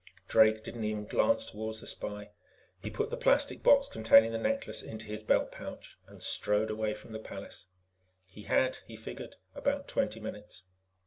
Drake didn't even glance toward the spy. He put the plastic box containing the necklace into his belt pouch and strode away from the palace. He had, he figured, about twenty minutes.